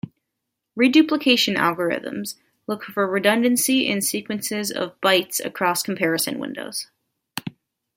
Deduplication algorithms look for redundancy in sequences of bytes across comparison windows.